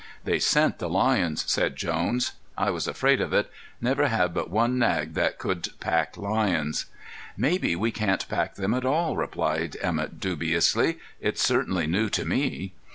"They scent the lions," said Jones. "I was afraid of it; never had but one nag that would pack lions." "Maybe we can't pack them at all," replied Emett dubiously. "It's certainly new to me."